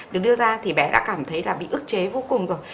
được đưa ra thì bé đã cảm thấy là bị ức chế vô cùng rồi